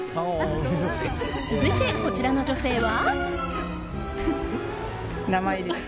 続いて、こちらの女性は。